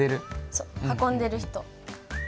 そう運んでる人。